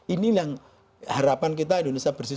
ini yang harapan kita indonesia bersih